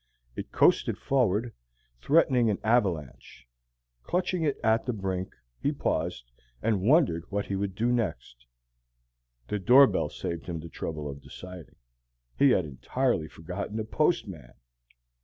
It coasted forward, threatening an avalanche. Clutching it at the brink, he paused, and wondered what he would do next. The door bell saved him the trouble of deciding. He had entirely forgotten the postman!